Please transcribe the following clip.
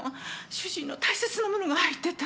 主人の大切な物が入ってた。